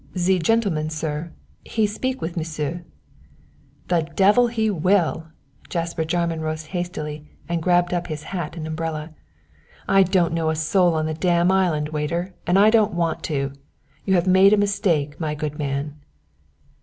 "Ze gentleman, sir, he speak with m'sieu." "The devil he will." Jasper Jarman rose hastily and grabbed up his hat and umbrella. "I don't know a soul in the dam island, waiter, and I don't want to. You have made a mistake, my good man."